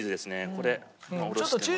これおろしてもらって。